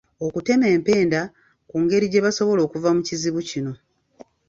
Okutema empenda ku ngeri gye basobola okuva mu kizibu kino.